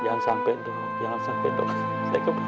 jangan sampai dok jangan sampai dok